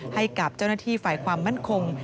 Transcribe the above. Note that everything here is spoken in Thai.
ให้กับเจ้าหน้าที่ฝ่ายความมั่นคง